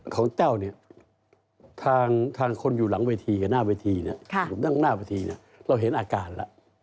ของเต้าเนี่ยทางคนอยู่หลังวิธีกับหน้าวิธีเนี่ยนั่งหน้าวิธีเนี่ยเราเห็นอาการละ